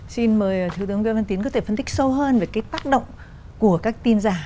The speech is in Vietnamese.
xin mời thứ tướng lê văn tín có thể phân tích sâu hơn về cái tác động của các tin giả